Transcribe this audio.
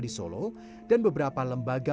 di solo dan beberapa lembaga